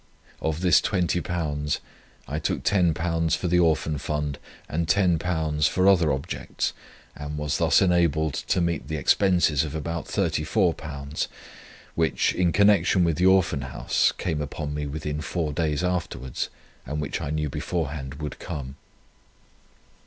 "[Of this £20 I took £10 for the Orphan fund, and £10 for trip other objects, and was thus enabled to meet the expenses of about £34 which, in connection with the Orphan Houses, came upon me within four days afterwards, and which I knew beforehand would come.